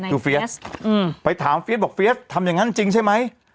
คือเฟียสไปถามเฟียสบอกเฟียสทำอย่างนั้นจริงใช่ไหม